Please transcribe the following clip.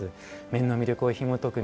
面の魅力をひもとく